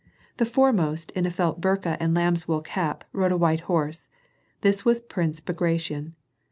The foremost, in a felt burka and a lamb's wool cap, rode a white horse. This was Prince Bagration.